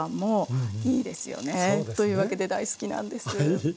そうですね。というわけで大好きなんです。